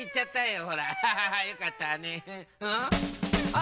あ！